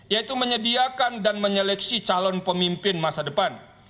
yaitu menyediakan dan menyeleksi calon pemimpin masa depan